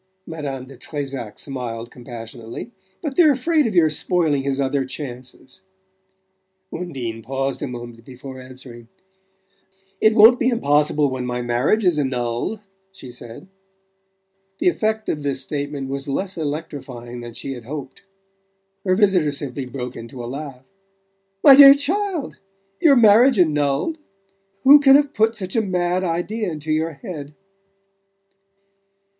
Madame de Trezac smiled compassionately. "But they're afraid of your spoiling his other chances." Undine paused a moment before answering, "It won't be impossible when my marriage is annulled," she said. The effect of this statement was less electrifying than she had hoped. Her visitor simply broke into a laugh. "My dear child! Your marriage annulled? Who can have put such a mad idea into your head?"